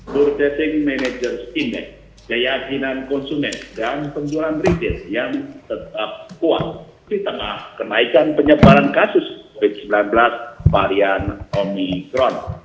purchasing managers index keyakinan konsumen dan penjualan retail yang tetap kuat di tengah kenaikan penyebaran kasus covid sembilan belas varian omikron